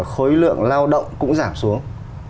khối lượng lao động cũng giảm xuống